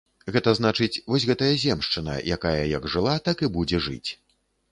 Гэта значыць, вось гэтая земшчына, якая як жыла, так і будзе жыць.